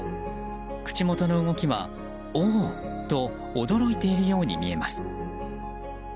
口元の動きは、おおと驚いているように見えます。